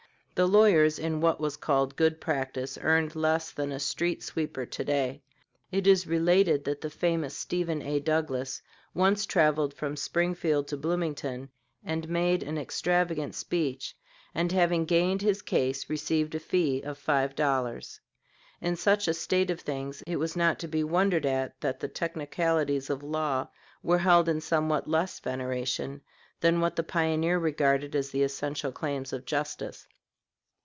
The lawyers in what was called good practice earned less than a street sweeper to day. It is related that the famous Stephen A. Douglas once traveled from Springfield to Bloomington and made an extravagant speech, and having gained his case received a fee of five dollars. In such a state of things it was not to be wondered at that the technicalities of law were held in somewhat less veneration than what the pioneer regarded as the essential claims of justice.